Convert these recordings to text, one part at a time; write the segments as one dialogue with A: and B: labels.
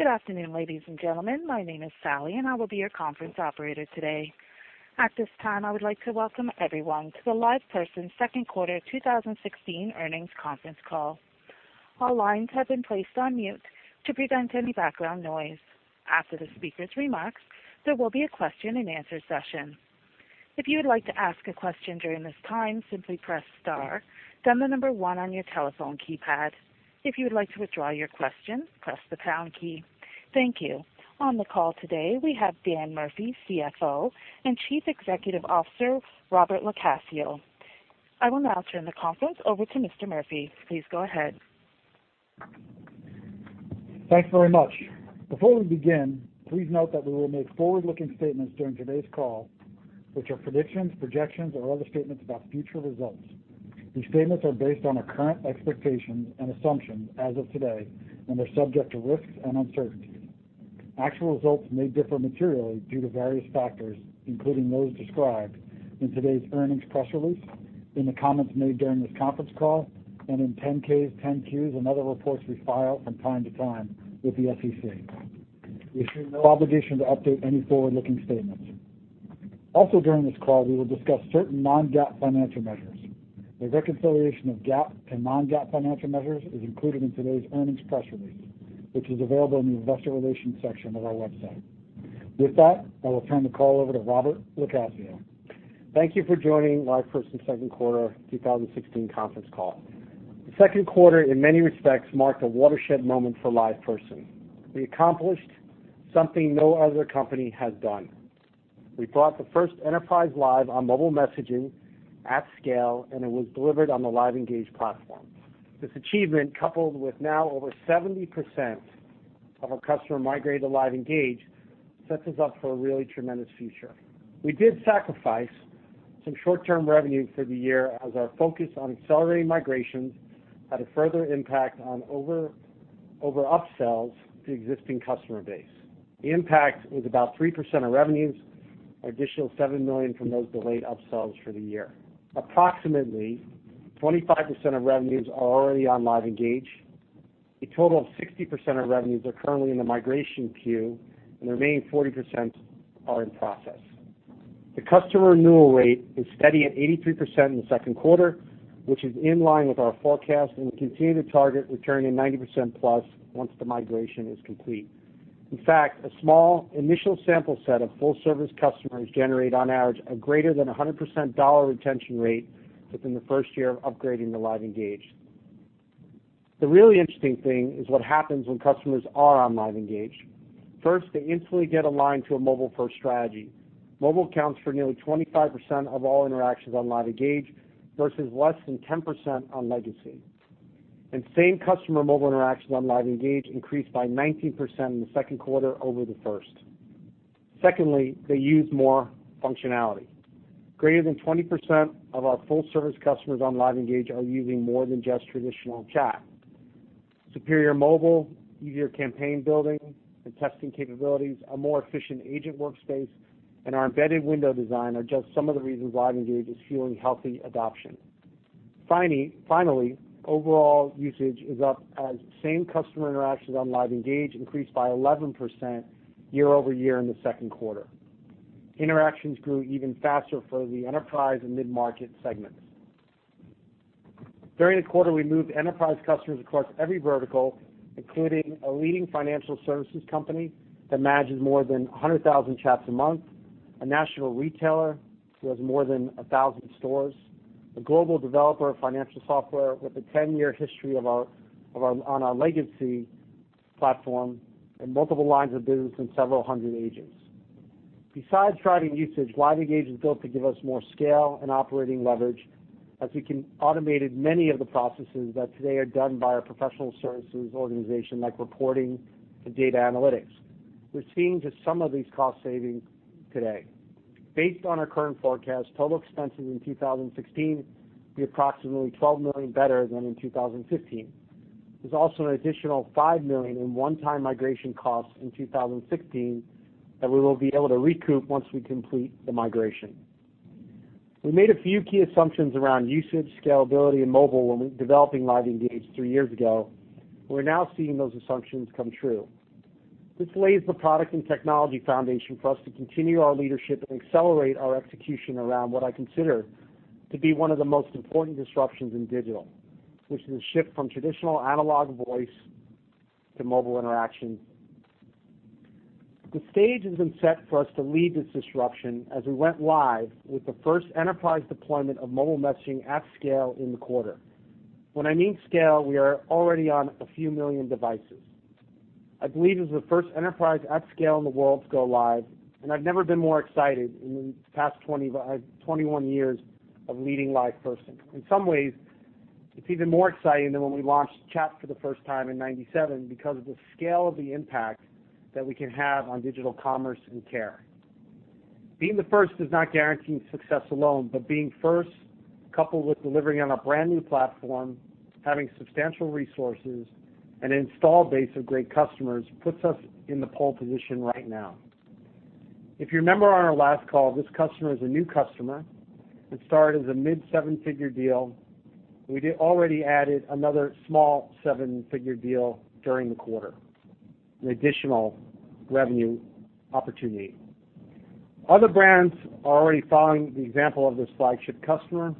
A: Good afternoon, ladies and gentlemen. My name is Sally, and I will be your conference operator today. At this time, I would like to welcome everyone to the LivePerson second quarter 2016 earnings conference call. All lines have been placed on mute to prevent any background noise. After the speakers' remarks, there will be a question and answer session. If you would like to ask a question during this time, simply press star, then the number 1 on your telephone keypad. If you would like to withdraw your question, press the pound key. Thank you. On the call today, we have Dan Murphy, CFO, and Chief Executive Officer, Robert LoCascio. I will now turn the conference over to Mr. Murphy. Please go ahead.
B: Thanks very much. Before we begin, please note that we will make forward-looking statements during today's call, which are predictions, projections, or other statements about future results. These statements are based on our current expectations and assumptions as of today and are subject to risks and uncertainties. Actual results may differ materially due to various factors, including those described in today's earnings press release, in the comments made during this conference call, and in 10-Ks, 10-Qs, and other reports we file from time to time with the SEC. We assume no obligation to update any forward-looking statements. Also during this call, we will discuss certain non-GAAP financial measures. A reconciliation of GAAP and non-GAAP financial measures is included in today's earnings press release, which is available in the investor relations section of our website. With that, I will turn the call over to Robert LoCascio.
C: Thank you for joining LivePerson's second quarter 2016 conference call. The second quarter, in many respects, marked a watershed moment for LivePerson. We accomplished something no other company has done. We brought the first enterprise live on mobile messaging at scale, and it was delivered on the LiveEngage platform. This achievement, coupled with now over 70% of our customer migrate to LiveEngage, sets us up for a really tremendous future. We did sacrifice some short-term revenue for the year as our focus on accelerating migrations had a further impact on over-upsells to existing customer base. The impact was about 3% of revenues, an additional $7 million from those delayed upsells for the year. Approximately 25% of revenues are already on LiveEngage. A total of 60% of revenues are currently in the migration queue, and the remaining 40% are in process. The customer renewal rate is steady at 83% in the second quarter, which is in line with our forecast, and we continue to target returning 90% plus once the migration is complete. In fact, a small initial sample set of full-service customers generate, on average, a greater than 100% dollar retention rate within the first year of upgrading to LiveEngage. The really interesting thing is what happens when customers are on LiveEngage. First, they instantly get aligned to a mobile-first strategy. Mobile accounts for nearly 25% of all interactions on LiveEngage versus less than 10% on legacy. Same-customer mobile interactions on LiveEngage increased by 19% in the second quarter over the first. Secondly, they use more functionality. Greater than 20% of our full-service customers on LiveEngage are using more than just traditional chat. Superior mobile, easier campaign building and testing capabilities, a more efficient agent workspace, and our embedded window design are just some of the reasons LiveEngage is fueling healthy adoption. Finally, overall usage is up as same-customer interactions on LiveEngage increased by 11% year-over-year in the second quarter. Interactions grew even faster for the enterprise and mid-market segments. During the quarter, we moved enterprise customers across every vertical, including a leading financial services company that manages more than 100,000 chats a month, a national retailer who has more than 1,000 stores, a global developer of financial software with a 10-year history on our legacy platform, and multiple lines of business and several hundred agents. Besides driving usage, LiveEngage is built to give us more scale and operating leverage as we can automate many of the processes that today are done by our professional services organization, like reporting and data analytics. We're seeing just some of these cost savings today. Based on our current forecast, total expenses in 2016 will be approximately $12 million better than in 2015. There's also an additional $5 million in one-time migration costs in 2016 that we will be able to recoup once we complete the migration. We made a few key assumptions around usage, scalability, and mobile when we were developing LiveEngage three years ago. We're now seeing those assumptions come true. This lays the product and technology foundation for us to continue our leadership and accelerate our execution around what I consider to be one of the most important disruptions in digital, which is a shift from traditional analog voice to mobile interactions. The stage has been set for us to lead this disruption as we went live with the first enterprise deployment of mobile messaging at scale in the quarter. When I mean scale, we are already on a few million devices. I believe it's the first enterprise at scale in the world to go live, and I've never been more excited in the past 21 years of leading LivePerson. In some ways, it's even more exciting than when we launched chat for the first time in 1997 because of the scale of the impact that we can have on digital commerce and care. Being the first does not guarantee success alone, but being first, coupled with delivering on a brand-new platform, having substantial resources, an install base of great customers, puts us in the pole position right now. If you remember on our last call, this customer is a new customer that started as a mid seven-figure deal. We already added another small seven-figure deal during the quarter, an additional revenue opportunity. Other brands are already following the example of this flagship customer.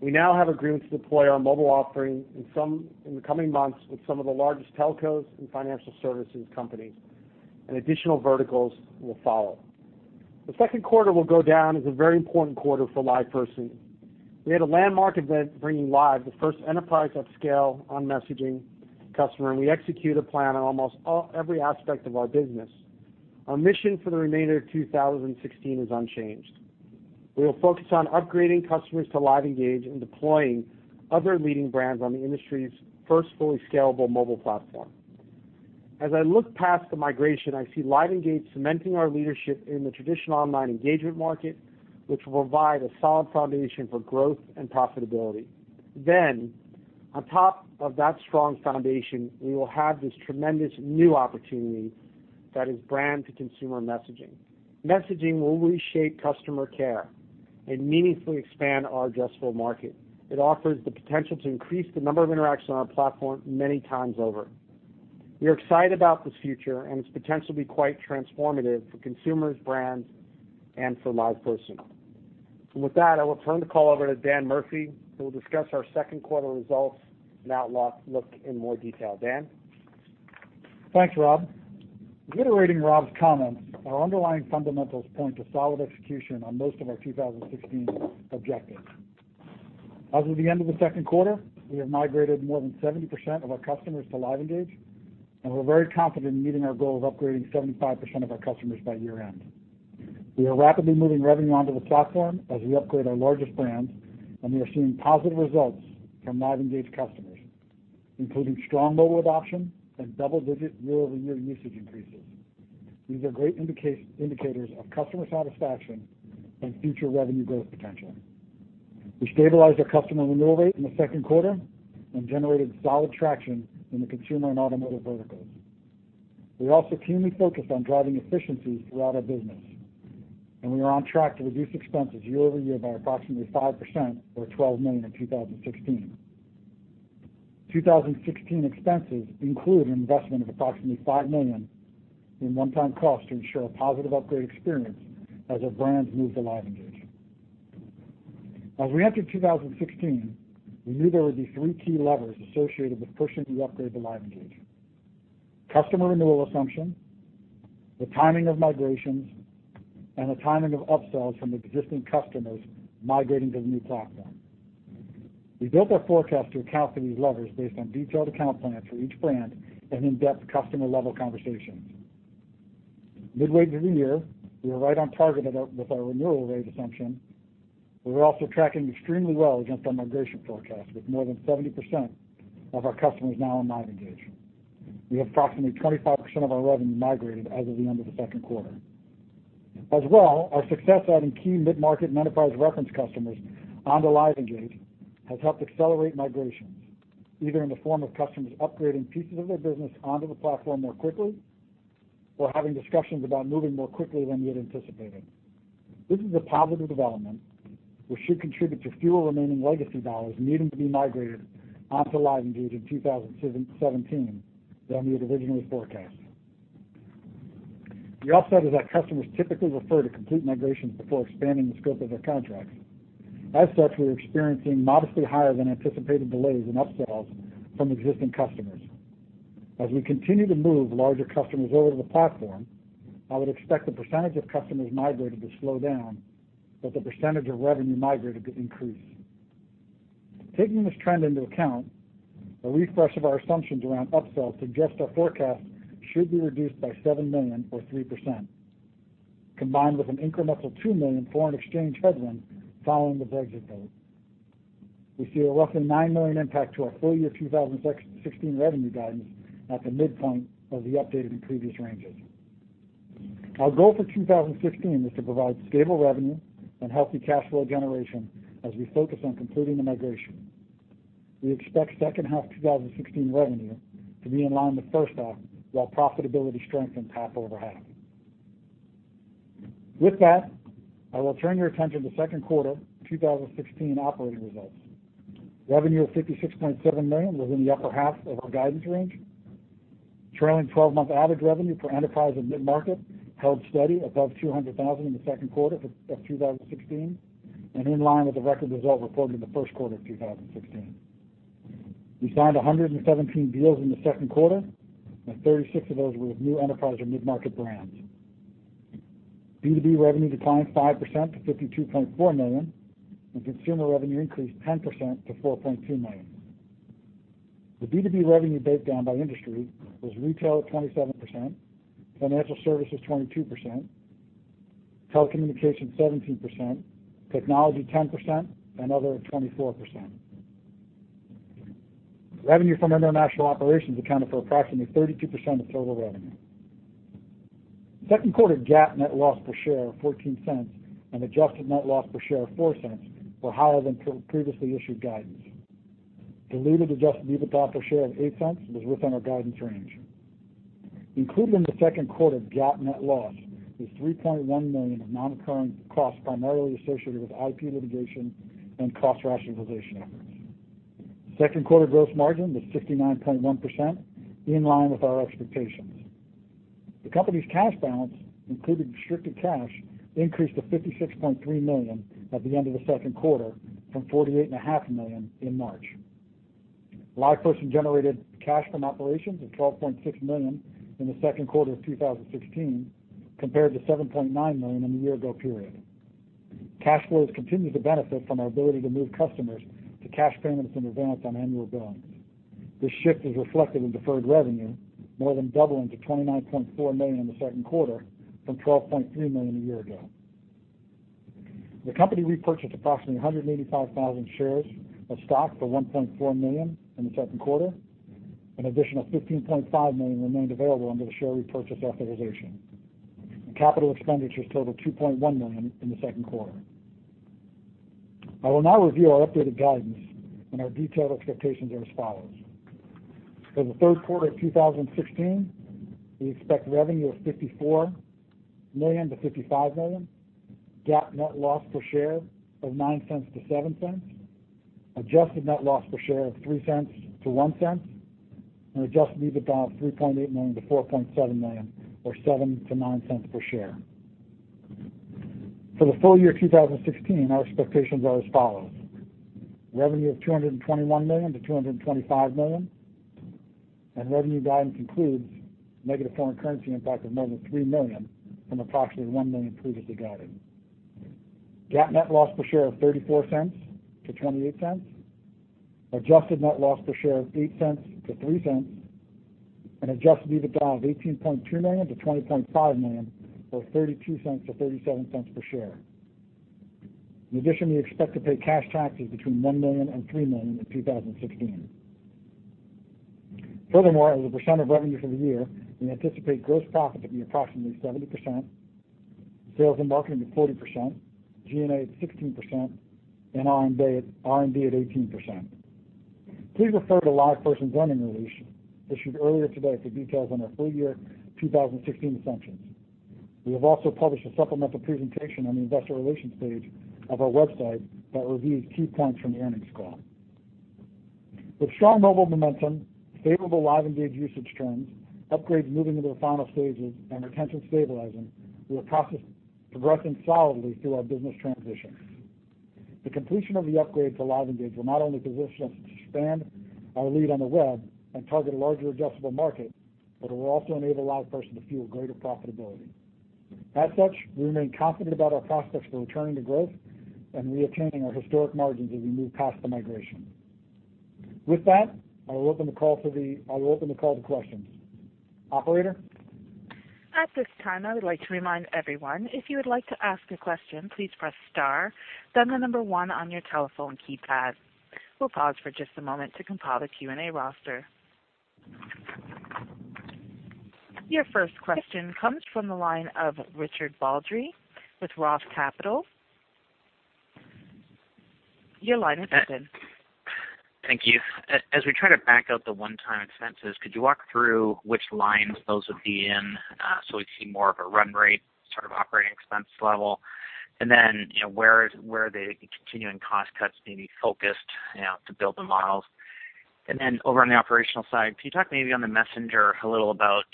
C: We now have agreements to deploy our mobile offering in the coming months with some of the largest telcos and financial services companies, and additional verticals will follow. The second quarter will go down as a very important quarter for LivePerson. We had a landmark event bringing live the first enterprise at scale on-messaging customer, and we executed a plan on almost every aspect of our business. Our mission for the remainder of 2016 is unchanged. We will focus on upgrading customers to LiveEngage and deploying other leading brands on the industry's first fully scalable mobile platform. As I look past the migration, I see LiveEngage cementing our leadership in the traditional online engagement market, which will provide a solid foundation for growth and profitability. On top of that strong foundation, we will have this tremendous new opportunity that is brand to consumer messaging. Messaging will reshape customer care and meaningfully expand our addressable market. It offers the potential to increase the number of interactions on our platform many times over. We are excited about this future and its potential to be quite transformative for consumers, brands, and for LivePerson. With that, I will turn the call over to Dan Murphy, who will discuss our second quarter results and outlook in more detail. Dan?
B: Thanks, Rob. Reiterating Rob's comments, our underlying fundamentals point to solid execution on most of our 2016 objectives. As of the end of the second quarter, we have migrated more than 70% of our customers to LiveEngage, and we're very confident in meeting our goal of upgrading 75% of our customers by year-end. We are rapidly moving revenue onto the platform as we upgrade our largest brands, and we are seeing positive results from LiveEngage customers, including strong mobile adoption and double-digit year-over-year usage increases. These are great indicators of customer satisfaction and future revenue growth potential. We stabilized our customer renewal rate in the second quarter and generated solid traction in the consumer and automotive verticals. We also keenly focused on driving efficiencies throughout our business, and we are on track to reduce expenses year-over-year by approximately 5% or $12 million in 2016. 2016 expenses include an investment of approximately $5 million in one-time cost to ensure a positive upgrade experience as our brands move to LiveEngage. As we entered 2016, we knew there would be three key levers associated with pushing the upgrade to LiveEngage. Customer renewal assumption, the timing of migrations, and the timing of upsells from existing customers migrating to the new platform. We built our forecast to account for these levers based on detailed account plans for each brand and in-depth customer-level conversations. Midway through the year, we were right on target with our renewal rate assumption, but we're also tracking extremely well against our migration forecast, with more than 70% of our customers now on LiveEngage. We have approximately 25% of our revenue migrated as of the end of the second quarter. As well, our success adding key mid-market and enterprise reference customers onto LiveEngage has helped accelerate migrations, either in the form of customers upgrading pieces of their business onto the platform more quickly or having discussions about moving more quickly than we had anticipated. This is a positive development, which should contribute to fewer remaining legacy dollars needing to be migrated onto LiveEngage in 2017 than we had originally forecast. The upside is that customers typically refer to complete migrations before expanding the scope of their contracts. As such, we're experiencing modestly higher than anticipated delays in upsells from existing customers. As we continue to move larger customers over to the platform, I would expect the percentage of customers migrated to slow down, but the percentage of revenue migrated to increase. Taking this trend into account, a refresh of our assumptions around upsell suggest our forecast should be reduced by $7 million or 3%, combined with an incremental $2 million foreign exchange headwind following the Brexit vote. We see a roughly $9 million impact to our full-year 2016 revenue guidance at the midpoint of the updated and previous ranges. Our goal for 2016 is to provide stable revenue and healthy cash flow generation as we focus on completing the migration. We expect second half 2016 revenue to be in line with first half, while profitability strengthens half-over-half. With that, I will turn your attention to second quarter 2016 operating results. Revenue of $56.7 million was in the upper half of our guidance range. Trailing 12-month average revenue for enterprise and mid-market held steady above $200,000 in the second quarter of 2016 and in line with the record result reported in the first quarter of 2016. We signed 117 deals in the second quarter, 36 of those were with new enterprise or mid-market brands. B2B revenue declined 5% to $52.4 million, consumer revenue increased 10% to $4.2 million. The B2B revenue breakdown by industry was retail at 27%, financial services 22%, telecommunication 17%, technology 10%, and other at 24%. Revenue from international operations accounted for approximately 32% of total revenue. Second quarter GAAP net loss per share of $0.14 and adjusted net loss per share of $0.04 were higher than previously issued guidance. Delivered adjusted EBITDA per share of $0.08 was within our guidance range. Included in the second quarter GAAP net loss was $3.1 million of non-recurring costs, primarily associated with IP litigation and cost rationalization efforts. Second quarter gross margin was 69.1%, in line with our expectations. The company's cash balance, including restricted cash, increased to $56.3 million at the end of the second quarter from $48.5 million in March. LivePerson generated cash from operations of $12.6 million in the second quarter of 2016, compared to $7.9 million in the year ago period. Cash flows continue to benefit from our ability to move customers to cash payments in advance on annual billings. This shift is reflected in deferred revenue, more than doubling to $29.4 million in the second quarter from $12.3 million a year ago. The company repurchased approximately 185,000 shares of stock for $1.4 million in the second quarter. An additional $15.5 million remained available under the share repurchase authorization. Capital expenditures totaled $2.1 million in the second quarter. I will now review our updated guidance. Our detailed expectations are as follows. For the third quarter of 2016, we expect revenue of $54 million to $55 million, GAAP net loss per share of $0.09 to $0.07, adjusted net loss per share of $0.03 to $0.01, adjusted EBITDA of $3.8 million to $4.7 million, or $0.07 to $0.09 per share. For the full year 2016, our expectations are as follows: revenue of $221 million to $225 million. Revenue guidance includes negative foreign currency impact of more than $3 million from approximately $1 million previously guided. GAAP net loss per share of $0.34 to $0.28, adjusted net loss per share of $0.08 to $0.03, adjusted EBITDA of $18.2 million to $20.5 million, or $0.32 to $0.37 per share. We expect to pay cash taxes between $1 million and $3 million in 2016. As a percent of revenue for the year, we anticipate gross profit to be approximately 70%, sales and marketing to 40%, G&A at 16%, and R&D at 18%. Please refer to LivePerson's earnings release issued earlier today for details on our full year 2016 assumptions. We have also published a supplemental presentation on the investor relations page of our website that reviews key points from the earnings call. With strong mobile momentum, favorable LiveEngage usage trends, upgrades moving into their final stages, and retention stabilizing, we are progressing solidly through our business transition. The completion of the upgrade to LiveEngage will not only position us to expand our lead on the web and target a larger addressable market, but it will also enable LivePerson to fuel greater profitability. We remain confident about our prospects for returning to growth and re-attaining our historic margins as we move past the migration. With that, I will open the call to questions. Operator?
A: At this time, I would like to remind everyone, if you would like to ask a question, please press star then the number one on your telephone keypad. We'll pause for just a moment to compile a Q&A roster. Your first question comes from the line of Richard Baldry with Roth Capital Partners. Your line is open.
D: Thank you. As we try to back out the one-time expenses, could you walk through which lines those would be in, so we see more of a run rate sort of operating expense level? Where are the continuing cost cuts maybe focused to build the models? Over on the operational side, can you talk maybe on the messenger a little about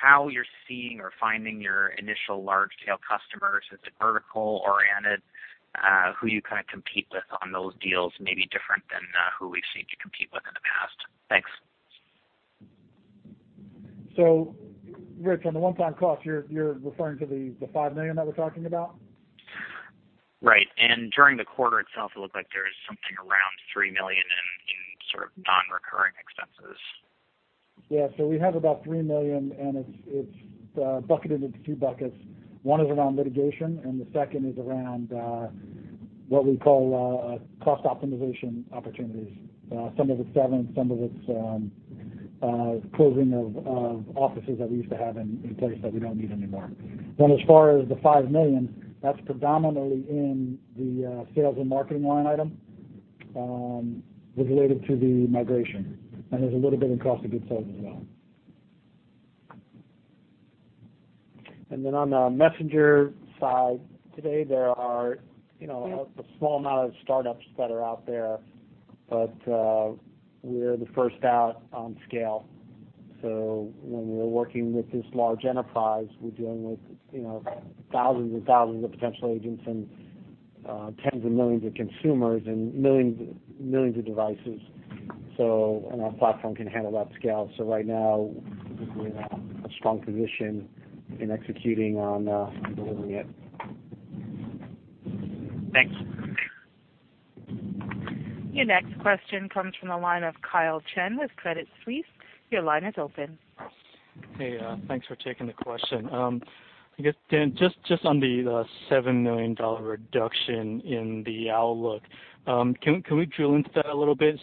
D: how you're seeing or finding your initial large scale customers? Is it vertical-oriented? Who you kind of compete with on those deals may be different than who we've seen you compete with in the past. Thanks.
B: Rich, on the one-time cost, you're referring to the $5 million that we're talking about?
D: Right. During the quarter itself, it looked like there was something around $3 million in sort of non-recurring expenses.
B: Yeah. We have about $3 million, and it's bucketed into two buckets. One is around litigation, and the second is around what we call cost optimization opportunities. Some of it's severance, some of it's closing of offices that we used to have in place that we don't need anymore. As far as the $5 million, that's predominantly in the sales and marketing line item, related to the migration. There's a little bit in cost of goods sold as well. On the messenger side, today there are a small amount of startups that are out there, but we're the first out on scale. When we're working with this large enterprise, we're dealing with thousands and thousands of potential agents and tens of millions of consumers and millions of devices. Our platform can handle that scale. Right now, we're in a strong position in executing on delivering it.
D: Thanks.
A: Your next question comes from the line of Kyle Chen with Credit Suisse. Your line is open.
E: Hey, thanks for taking the question. I guess, Dan, just on the $7 million reduction in the outlook. Can we drill into that a little bit?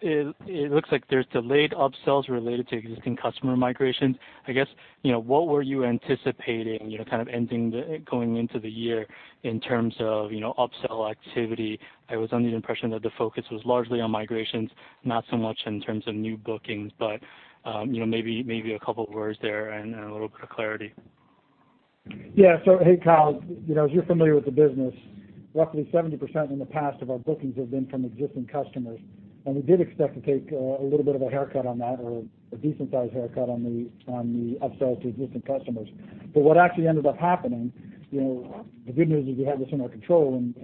E: It looks like there's delayed upsells related to existing customer migrations. I guess, what were you anticipating kind of going into the year in terms of upsell activity? I was under the impression that the focus was largely on migrations, not so much in terms of new bookings, but maybe a couple of words there and a little bit of clarity.
B: Yeah. Hey, Kyle, as you're familiar with the business, roughly 70% in the past of our bookings have been from existing customers, and we did expect to take a little bit of a haircut on that or a decent-sized haircut on the upsells to existing customers. What actually ended up happening, the good news is we have this in our control, and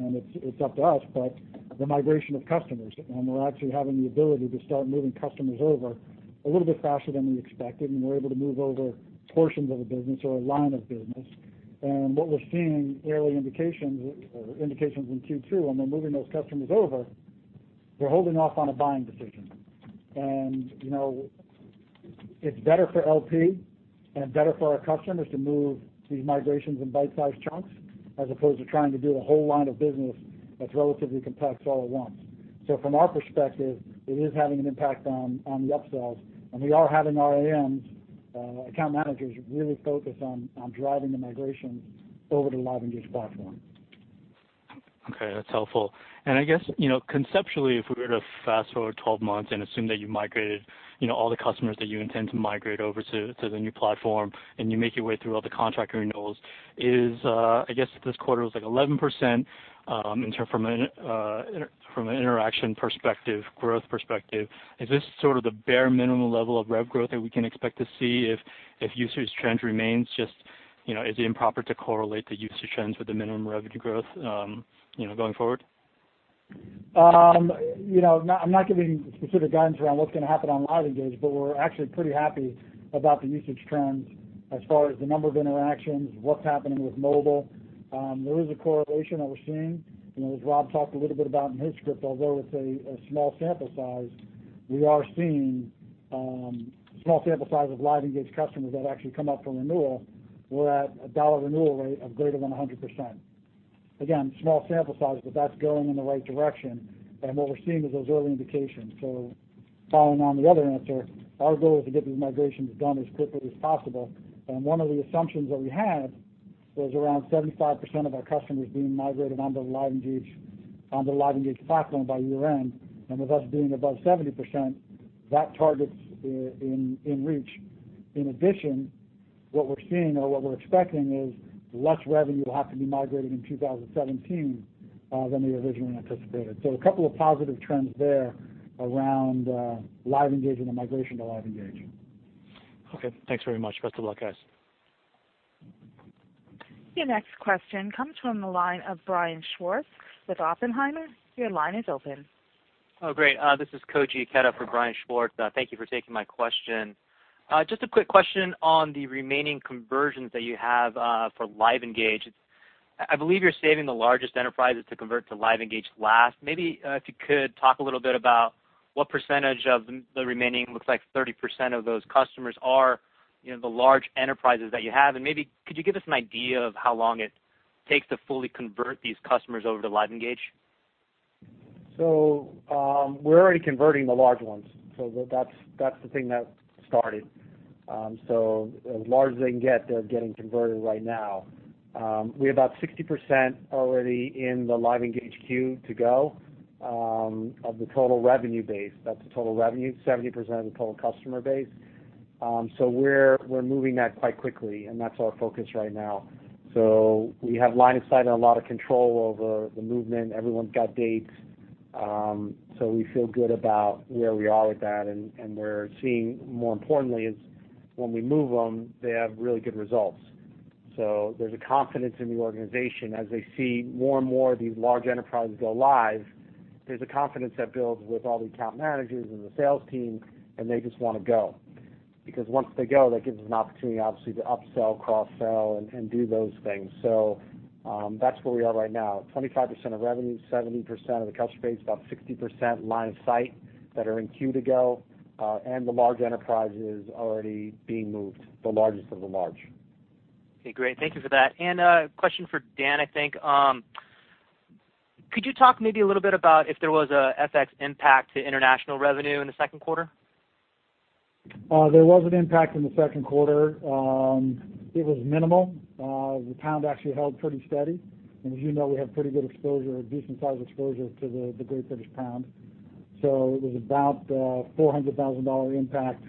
B: it's up to us, but the migration of customers, and we're actually having the ability to start moving customers over a little bit faster than we expected, and we're able to move over portions of a business or a line of business. What we're seeing early indications in Q2, and we're moving those customers over, they're holding off on a buying decision. It's better for LP and better for our customers to move these migrations in bite-sized chunks as opposed to trying to do a whole line of business that's relatively complex all at once. From our perspective, it is having an impact on the upsells, and we are having our AMs, account managers, really focus on driving the migrations over to the LiveEngage platform.
E: Okay, that's helpful. I guess, conceptually, if we were to fast-forward 12 months and assume that you migrated all the customers that you intend to migrate over to the new platform and you make your way through all the contract renewals, I guess this quarter was, like, 11% from an interaction perspective, growth perspective. Is this sort of the bare minimum level of rev growth that we can expect to see if usage trend remains just, is it improper to correlate the usage trends with the minimum revenue growth going forward?
B: I'm not giving specific guidance around what's going to happen on LiveEngage, but we're actually pretty happy about the usage trends as far as the number of interactions, what's happening with mobile. There is a correlation that we're seeing, as Rob talked a little bit about in his script, although it's a small sample size, we are seeing a small sample size of LiveEngage customers that actually come up for renewal. We're at a dollar renewal rate of greater than 100%. Again, small sample size, but that's going in the right direction. What we're seeing is those early indications. Following on the other answer, our goal is to get these migrations done as quickly as possible. One of the assumptions that we had was around 75% of our customers being migrated under LiveEngage platform by year-end. With us being above 70%, that target's in reach. In addition, what we're seeing or what we're expecting is less revenue will have to be migrated in 2017 than we originally anticipated. A couple of positive trends there around LiveEngage and the migration to LiveEngage.
E: Okay, thanks very much. Best of luck, guys.
A: Your next question comes from the line of Brian Schwartz with Oppenheimer. Your line is open.
F: Oh, great. This is Koji Ikeda for Brian Schwartz. Thank you for taking my question. Just a quick question on the remaining conversions that you have for LiveEngage. I believe you're saving the largest enterprises to convert to LiveEngage last. Maybe if you could talk a little bit about what percentage of the remaining, looks like 30% of those customers are the large enterprises that you have, and maybe could you give us an idea of how long it takes to fully convert these customers over to LiveEngage?
C: We're already converting the large ones. That's the thing that started. As large as they can get, they're getting converted right now. We have about 60% already in the LiveEngage queue to go of the total revenue base. That's the total revenue, 70% of the total customer base. We're moving that quite quickly, and that's our focus right now. We have line of sight and a lot of control over the movement. Everyone's got dates, we feel good about where we are with that, and we're seeing, more importantly, is when we move them, they have really good results. There's a confidence in the organization as they see more and more of these large enterprises go live. There's a confidence that builds with all the account managers and the sales team, and they just want to go, because once they go, that gives us an opportunity, obviously, to upsell, cross-sell, and do those things. That's where we are right now. 25% of revenue, 70% of the customer base, about 60% line of sight that are in queue to go, and the large enterprises already being moved, the largest of the large.
F: Okay, great. Thank you for that. A question for Dan, I think. Could you talk maybe a little bit about if there was an FX impact to international revenue in the second quarter?
B: There was an impact in the second quarter. It was minimal. The pound actually held pretty steady. As you know, we have pretty good exposure, a decent-sized exposure to the Great British Pound. It was about $400,000 impact,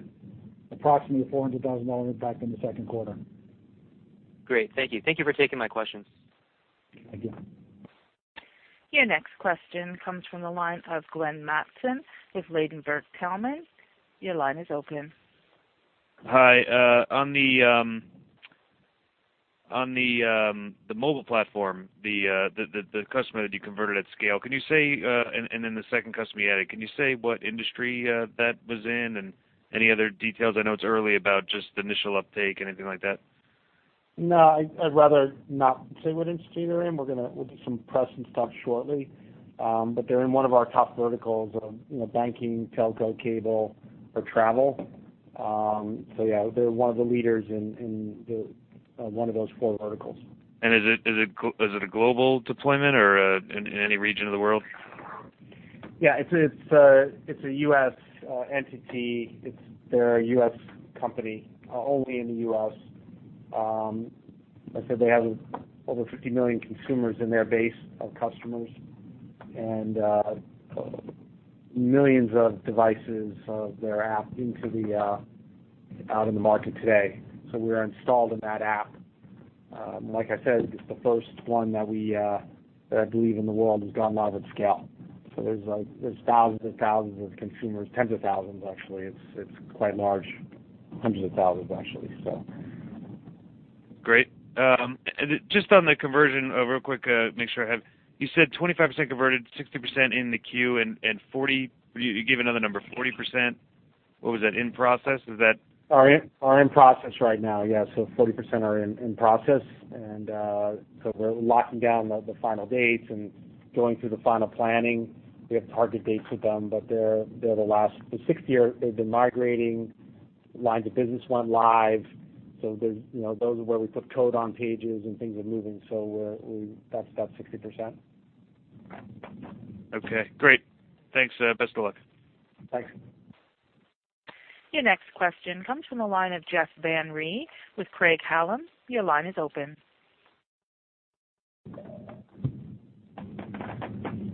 B: approximately a $400,000 impact in the second quarter.
F: Great. Thank you. Thank you for taking my questions.
C: Thank you.
A: Your next question comes from the line of Glenn Mattson with Ladenburg Thalmann. Your line is open.
G: Hi. On the mobile platform, the customer that you converted at scale, can you say, and then the second customer you added, can you say what industry that was in and any other details? I know it's early, about just the initial uptake, anything like that?
C: No, I'd rather not say what industry they're in. We'll do some press and stuff shortly. They're in one of our top verticals of banking, telco, cable, or travel. Yeah, they're one of the leaders in one of those four verticals.
G: Is it a global deployment or in any region of the world?
C: Yeah, it's a U.S. entity. They're a U.S. company, only in the U.S. Like I said, they have over 50 million consumers in their base of customers. Millions of devices of their app out in the market today. We're installed in that app. Like I said, it's the first one that I believe in the world has gone live at scale. There's thousands and thousands of consumers, tens of thousands, actually. It's quite large. Hundreds of thousands, actually. Great. Just on the conversion, real quick, make sure I have. You said 25% converted, 60% in the queue, and you gave another number, 40%. What was that, in process? Are in process right now. Yeah. 40% are in process, we're locking down the final dates and going through the final planning. We have target dates with them, but they're the last. The 60 are, they've been migrating lines of business went live. Those are where we put code on pages and things are moving. That's about 60%.
G: Okay, great. Thanks. Best of luck. Thanks.
A: Your next question comes from the line of Jeff Van Rhee with Craig-Hallum. Your line is open.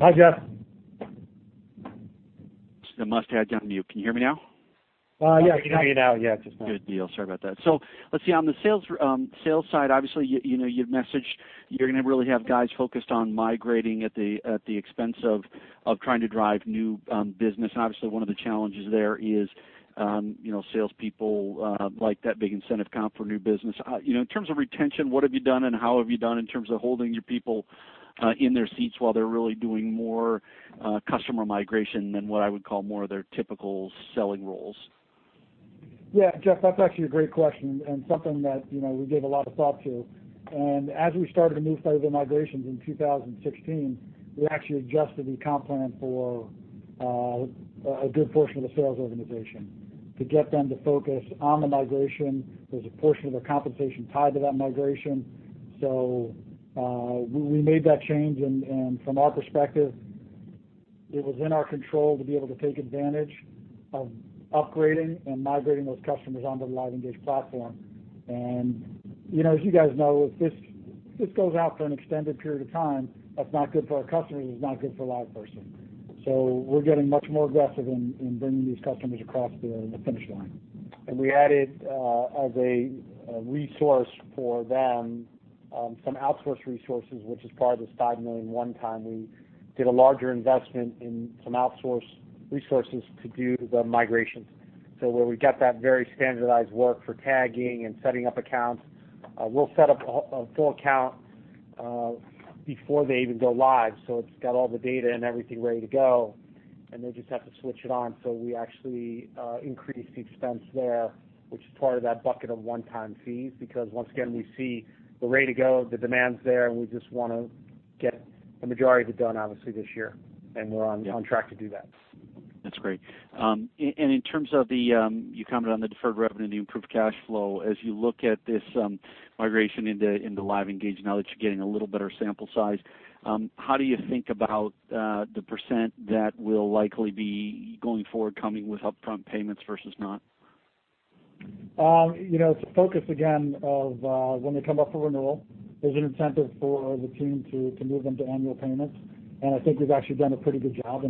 C: Hi, Jeff.
H: The mustache on mute. Can you hear me now?
C: Yeah, I can hear you now.
H: Good deal. Sorry about that. Let's see. On the sales side, obviously, your message, you're going to really have guys focused on migrating at the expense of trying to drive new business. Obviously, one of the challenges there is salespeople like that big incentive comp for new business. In terms of retention, what have you done and how have you done in terms of holding your people in their seats while they're really doing more customer migration than what I would call more of their typical selling roles?
C: Yeah, Jeff, that's actually a great question, something that we gave a lot of thought to. As we started a new phase of the migrations in 2016, we actually adjusted the comp plan for a good portion of the sales organization to get them to focus on the migration. There's a portion of their compensation tied to that migration. We made that change, from our perspective, it was in our control to be able to take advantage of upgrading and migrating those customers onto the LiveEngage platform. As you guys know, if this goes out for an extended period of time, that's not good for our customers, it's not good for LivePerson. We're getting much more aggressive in bringing these customers across the finish line. We added, as a resource for them, some outsource resources, which is part of this $5 million one-time. We did a larger investment in some outsource resources to do the migrations. Where we've got that very standardized work for tagging and setting up accounts, we'll set up a full account before they even go live. It's got all the data and everything ready to go, and they just have to switch it on. We actually increased the expense there, which is part of that bucket of one-time fees, because once again, we see we're ready to go, the demand's there, and we just want to get the majority of it done, obviously, this year, and we're on track to do that.
H: That's great. You commented on the deferred revenue and the improved cash flow. As you look at this migration into LiveEngage, now that you're getting a little better sample size, how do you think about the % that will likely be going forward, coming with upfront payments versus not?
C: It's a focus, again, of when they come up for renewal, there's an incentive for the team to move them to annual payments, and I think we've actually done a pretty good job.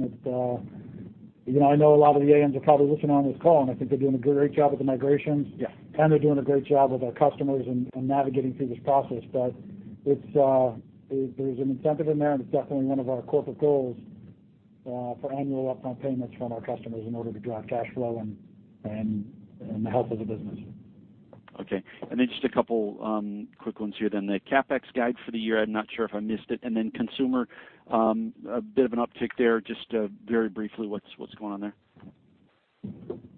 C: I know a lot of the AMs are probably listening on this call, and I think they're doing a great job with the migrations. Yeah. They're doing a great job with our customers and navigating through this process. There's an incentive in there, and it's definitely one of our corporate goals for annual upfront payments from our customers in order to drive cash flow and the health of the business.
H: Okay. Just a couple quick ones here then. The CapEx guide for the year, I'm not sure if I missed it, and then consumer, a bit of an uptick there. Just very briefly, what's going on there?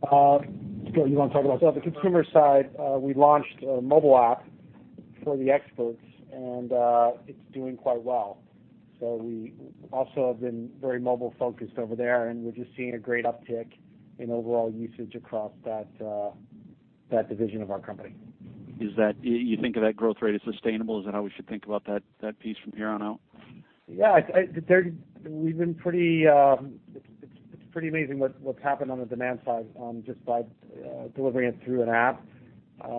C: Scott, you want to talk about that? The consumer side, we launched a mobile app for the experts, and it's doing quite well. We also have been very mobile-focused over there, and we're just seeing a great uptick in overall usage across that division of our company.
H: You think of that growth rate as sustainable? Is that how we should think about that piece from here on out?
C: It's pretty amazing what's happened on the demand side just by delivering it through an app.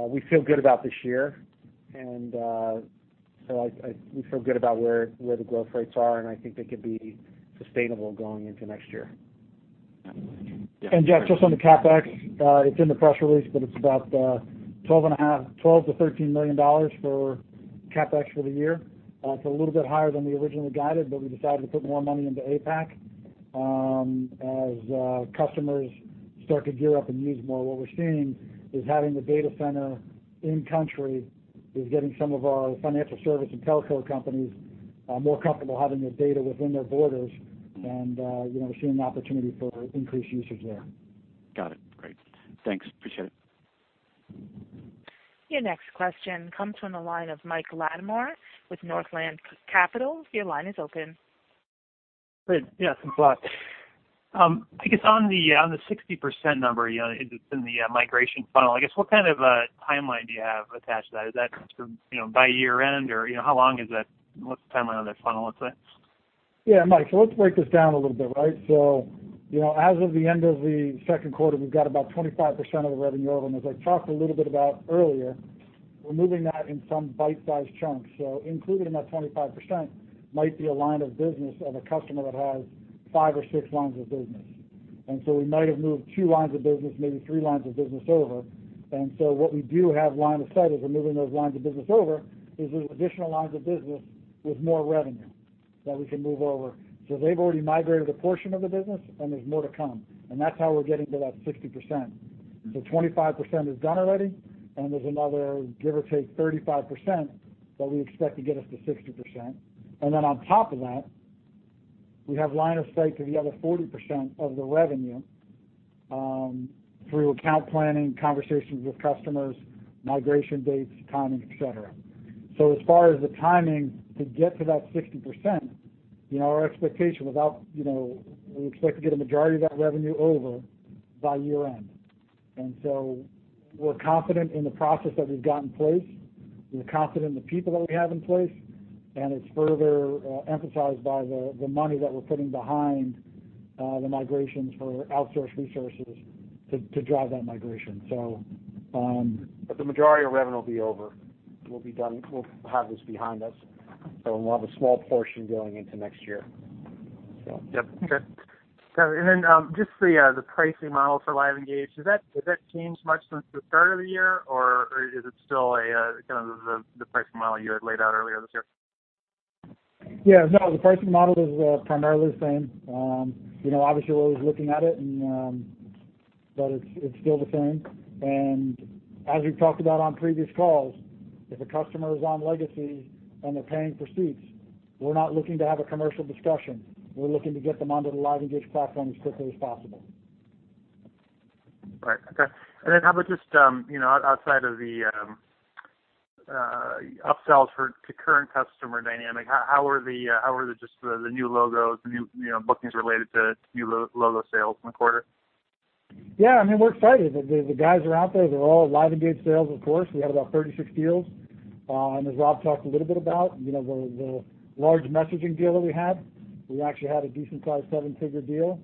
C: We feel good about this year, we feel good about where the growth rates are, and I think they could be sustainable going into next year. Jeff, just on the CapEx, it's in the press release, but it's about $12 million-$13 million for CapEx for the year. It's a little bit higher than we originally guided, but we decided to put more money into APAC. As customers start to gear up and use more, what we're seeing is having the data center in country is getting some of our financial service and telco companies more comfortable having their data within their borders, and we're seeing the opportunity for increased usage there.
H: Got it. Great. Thanks. Appreciate it.
A: Your next question comes from the line of Mike Latimore with Northland Capital Markets. Your line is open.
I: Great. Yeah, thanks a lot. I guess on the 60% number, it's in the migration funnel, I guess, what kind of a timeline do you have attached to that? Is that by year-end or how long is that? What's the timeline on that funnel, let's say?
C: Yeah, Mike, let's break this down a little bit. As of the end of the second quarter, we've got about 25% of the revenue over, as I talked a little bit about earlier.
B: We're moving that in some bite-sized chunks. Included in that 25% might be a line of business of a customer that has five or six lines of business. We might have moved two lines of business, maybe three lines of business over. What we do have line of sight as we're moving those lines of business over, is there's additional lines of business with more revenue that we can move over. They've already migrated a portion of the business and there's more to come. That's how we're getting to that 60%. 25% is done already, and there's another, give or take, 35% that we expect to get us to 60%. On top of that, we have line of sight to the other 40% of the revenue, through account planning, conversations with customers, migration dates, timing, et cetera. As far as the timing to get to that 60%, we expect to get a majority of that revenue over by year-end. We're confident in the process that we've got in place. We're confident in the people that we have in place, and it's further emphasized by the money that we're putting behind the migrations for outsourced resources to drive that migration. The majority of revenue will be over. We'll have this behind us, and we'll have a small portion going into next year.
I: Yep. Okay. Just the pricing model for LiveEngage, has that changed much since the start of the year, or is it still the pricing model you had laid out earlier this year?
B: Yeah, no, the pricing model is primarily the same. Obviously, we're always looking at it, but it's still the same. As we've talked about on previous calls, if a customer is on legacy and they're paying for seats, we're not looking to have a commercial discussion. We're looking to get them onto the LiveEngage platform as quickly as possible.
I: Right. Okay. How about just, outside of the upsells to current customer dynamic, how are just the new logos, the new bookings related to new logo sales in the quarter?
B: Yeah, we're excited. The guys are out there. They're all LiveEngage sales, of course. We had about 36 deals. As Rob talked a little bit about, the large messaging deal that we had, we actually had a decent-sized seven-figure deal,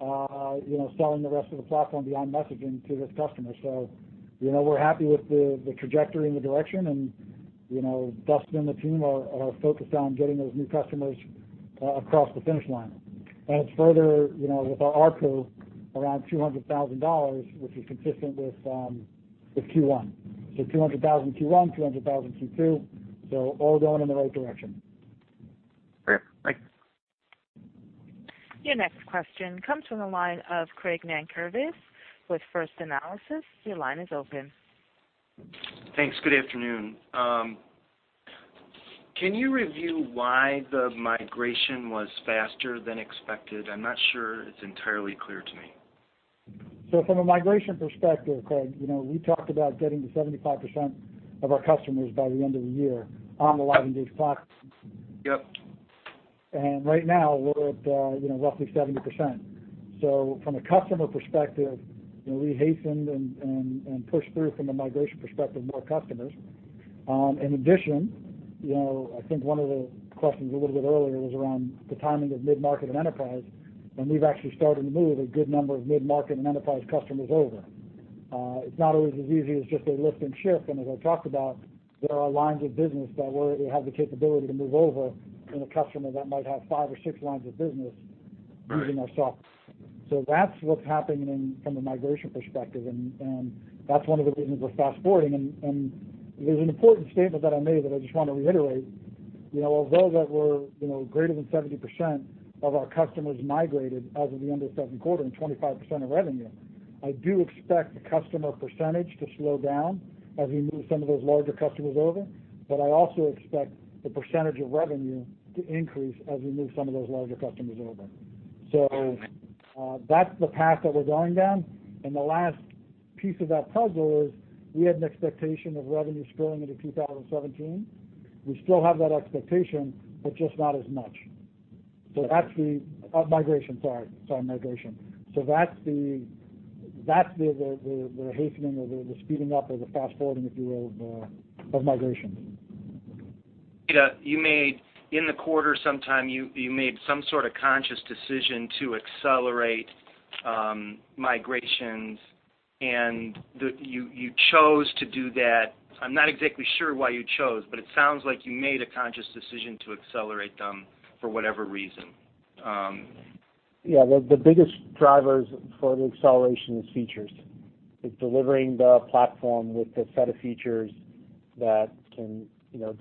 B: selling the rest of the platform beyond messaging to this customer. We're happy with the trajectory and the direction, and Dustin and the team are focused on getting those new customers across the finish line. It's further, with our ARPA around $200,000, which is consistent with Q1. $200,000 Q1, $200,000 Q2, all going in the right direction.
I: Great. Thanks.
A: Your next question comes from the line of Craig Nankervis with First Analysis. Your line is open.
J: Thanks. Good afternoon. Can you review why the migration was faster than expected? I'm not sure it's entirely clear to me.
B: From a migration perspective, Craig, we talked about getting to 75% of our customers by the end of the year on the LiveEngage platform.
J: Yep.
B: Right now, we're at roughly 70%. From a customer perspective, we hastened and pushed through, from a migration perspective, more customers. In addition, I think one of the questions a little bit earlier was around the timing of mid-market and enterprise, we've actually started to move a good number of mid-market and enterprise customers over. It's not always as easy as just a lift and shift, as I talked about, there are lines of business that it has the capability to move over in a customer that might have five or six lines of business-
J: Right
B: using our software. That's what's happening in, from a migration perspective, that's one of the reasons we're fast-forwarding. There's an important statement that I made that I just want to reiterate. Although that we're greater than 70% of our customers migrated as of the end of second quarter and 25% of revenue, I do expect the customer percentage to slow down as we move some of those larger customers over. I also expect the percentage of revenue to increase as we move some of those larger customers over. That's the path that we're going down. The last piece of that puzzle is we had an expectation of revenue scrolling into 2017. We still have that expectation, but just not as much. That's the hastening or the speeding up or the fast-forwarding, if you will, of migration.
J: You made, in the quarter sometime, you made some sort of conscious decision to accelerate migrations, you chose to do that. I'm not exactly sure why you chose, it sounds like you made a conscious decision to accelerate them for whatever reason.
C: Yeah. The biggest drivers for the acceleration is features, delivering the platform with the set of features that can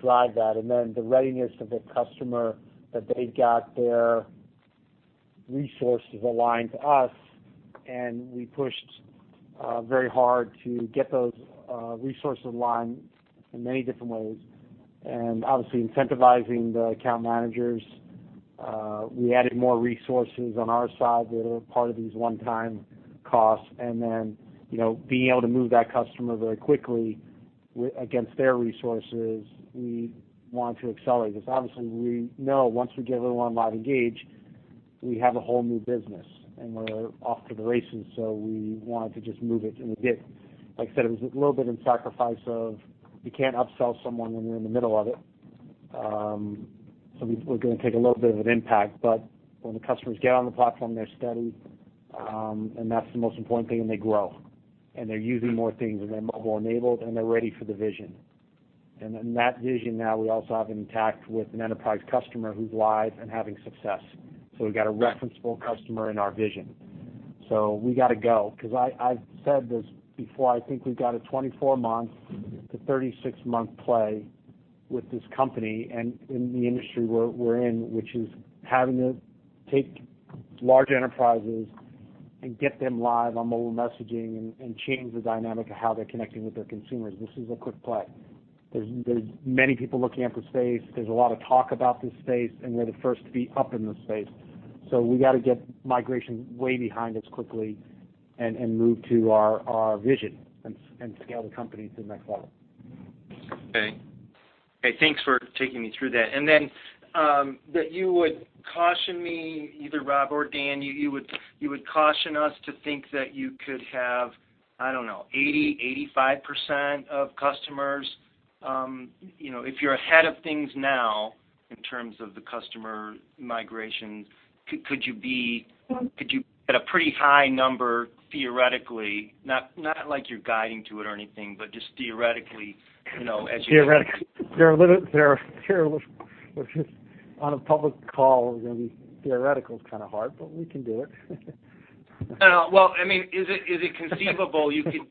C: drive that. The readiness of the customer, that they've got their resources aligned to us, and we pushed very hard to get those resources aligned in many different ways. Obviously, incentivizing the account managers. We added more resources on our side that are part of these one-time costs. Being able to move that customer very quickly against their resources, we want to accelerate this. Obviously, we know once we get everyone on LiveEngage, we have a whole new business, and we're off to the races. We wanted to just move it, and we did. Like I said, it was a little bit in sacrifice of you can't upsell someone when you're in the middle of it. We're going to take a little bit of an impact, but when the customers get on the platform, they're steady, and that's the most important thing, and they grow. They're using more things, and they're mobile-enabled, and they're ready for the vision. In that vision now, we also have intact with an enterprise customer who's live and having success. We've got a referenceable customer in our vision. We got to go, because I've said this before, I think we've got a 24-month to 36-month play with this company and in the industry we're in, which is having to take large enterprises and get them live on mobile messaging and change the dynamic of how they're connecting with their consumers. This is a quick play. There's many people looking at the space. There's a lot of talk about this space, and we're the first to be up in the space. We got to get migration way behind us quickly and move to our vision and scale the company to the next level.
J: Okay. Thanks for taking me through that. That you would caution me, either Rob or Dan, you would caution us to think that you could have, I don't know, 80%-85% of customers, if you're ahead of things now in terms of the customer migration, could you be at a pretty high number theoretically, not like you're guiding to it or anything, but just theoretically.
C: On a public call, we're going to be theoretical is kind of hard, but we can do it.
J: Well, is it conceivable you could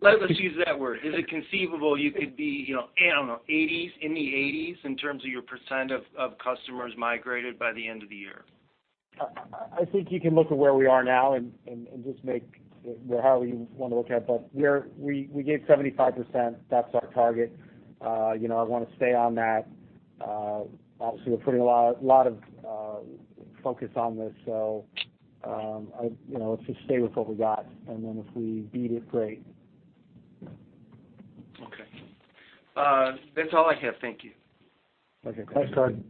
J: Let's use that word. Is it conceivable you could be, I don't know, in the 80s in terms of your % of customers migrated by the end of the year?
C: I think you can look at where we are now and just make how you want to look at it. We gave 75%. That's our target. I want to stay on that. Obviously, we're putting a lot of focus on this. Let's just stay with what we got. If we beat it, great.
J: Okay. That's all I have. Thank you.
C: Okay. Thanks, Craig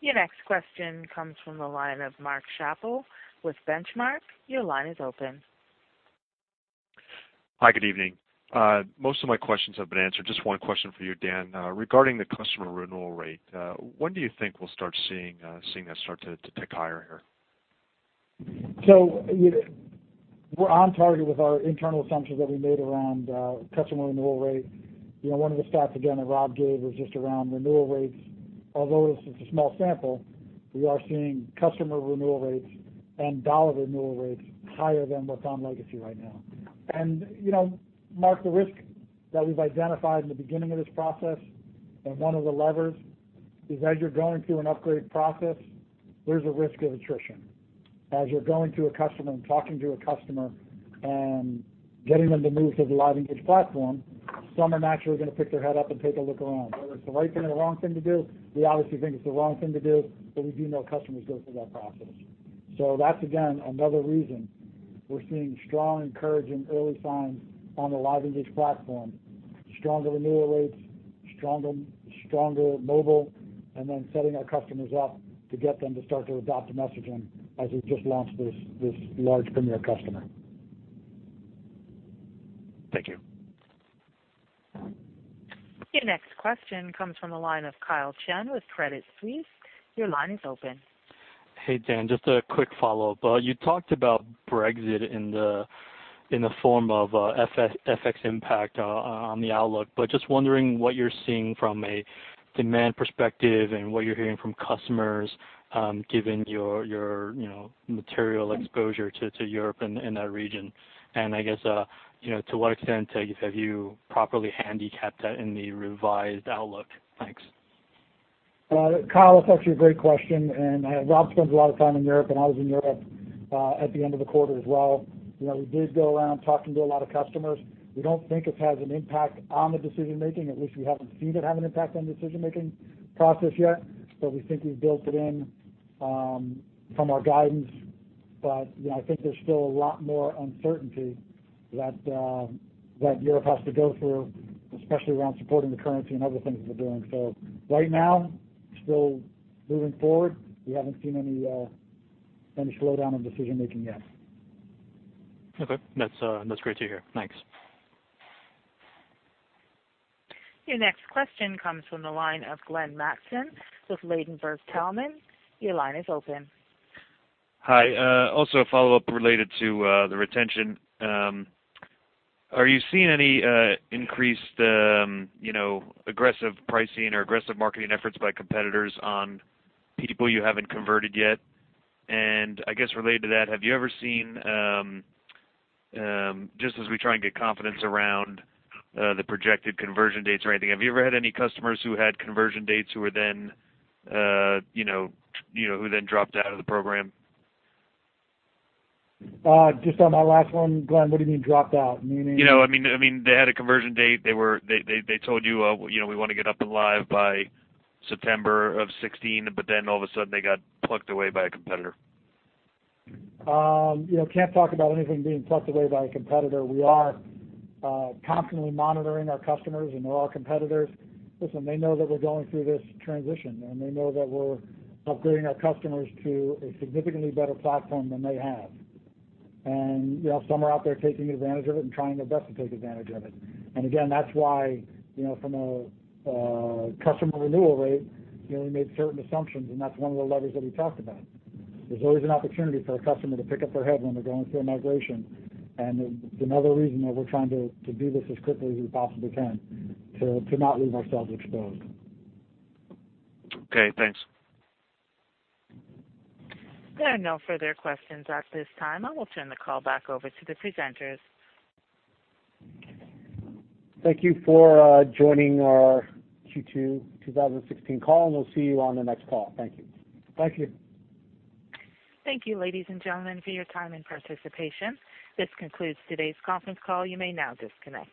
A: Your next question comes from the line of Mark Schappell with Benchmark. Your line is open.
K: Hi, good evening. Most of my questions have been answered. Just one question for you, Dan. Regarding the customer renewal rate, when do you think we'll start seeing that start to tick higher here?
B: We're on target with our internal assumptions that we made around customer renewal rate. One of the stats, again, that Rob gave was just around renewal rates. Although it's a small sample, we are seeing customer renewal rates and dollar renewal rates higher than what's on legacy right now. Mark, the risk that we've identified in the beginning of this process and one of the levers is as you're going through an upgrade process, there's a risk of attrition. As you're going to a customer and talking to a customer and getting them to move to the LiveEngage platform, some are naturally going to pick their head up and take a look around. Whether it's the right thing or the wrong thing to do, we obviously think it's the wrong thing to do, but we do know customers go through that process.
C: That's, again, another reason we're seeing strong, encouraging early signs on the LiveEngage platform. Stronger renewal rates, stronger mobile, setting our customers up to get them to start to adopt the messaging as we've just launched this large premier customer.
K: Thank you.
A: Your next question comes from the line of Kyle Chen with Credit Suisse. Your line is open.
E: Hey, Dan. Just a quick follow-up. You talked about Brexit in the form of FX impact on the outlook, just wondering what you're seeing from a demand perspective and what you're hearing from customers, given your material exposure to Europe and that region. I guess, to what extent have you properly handicapped that in the revised outlook? Thanks.
B: Kyle, that's actually a great question. Rob spends a lot of time in Europe, and I was in Europe, at the end of the quarter as well. We did go around talking to a lot of customers. We don't think it has an impact on the decision-making, at least we haven't seen it have an impact on decision-making process yet, but we think we've built it in from our guidance. I think there's still a lot more uncertainty that Europe has to go through, especially around supporting the currency and other things that they're doing. Right now, still moving forward. We haven't seen any slowdown in decision-making yet.
E: Okay. That's great to hear. Thanks.
A: Your next question comes from the line of Glenn Mattson with Ladenburg Thalmann. Your line is open.
G: Hi. Also a follow-up related to the retention. Are you seeing any increased aggressive pricing or aggressive marketing efforts by competitors on people you haven't converted yet? I guess related to that, have you ever seen, just as we try and get confidence around the projected conversion dates or anything, have you ever had any customers who had conversion dates who then dropped out of the program?
C: Just on that last one, Glenn, what do you mean dropped out?
G: I mean, they had a conversion date. They told you, "We want to get up and live by September of 2016," all of a sudden, they got plucked away by a competitor.
C: Can't talk about anything being plucked away by a competitor. We are constantly monitoring our customers and our competitors. Listen, they know that we're going through this transition, and they know that we're upgrading our customers to a significantly better platform than they have. Some are out there taking advantage of it and trying their best to take advantage of it. Again, that's why, from a customer renewal rate, we made certain assumptions, and that's one of the levers that we talked about. There's always an opportunity for a customer to pick up their head when they're going through a migration. It's another reason that we're trying to do this as quickly as we possibly can, to not leave ourselves exposed.
G: Okay, thanks.
A: There are no further questions at this time. I will turn the call back over to the presenters.
C: Thank you for joining our Q2 2016 call, and we'll see you on the next call. Thank you.
J: Thank you.
A: Thank you, ladies and gentlemen, for your time and participation. This concludes today's conference call. You may now disconnect.